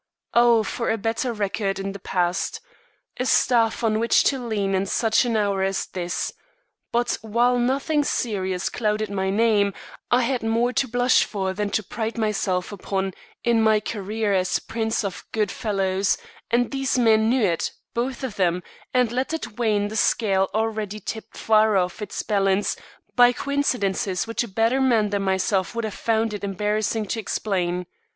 Oh, for a better record in the past! a staff on which to lean in such an hour as this! But while nothing serious clouded my name, I had more to blush for than to pride myself upon in my career as prince of good fellows, and these men knew it, both of them, and let it weigh in the scale already tipped far off its balance by coincidences which a better man than myself would have found it embarrassing to explain.